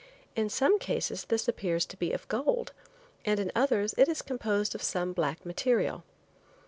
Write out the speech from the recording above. In some cases this appears to be of gold, and in others it is composed of some black material.